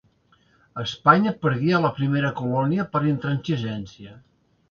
Espanya perdia la primera colònia per intransigència.